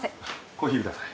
コーヒーください。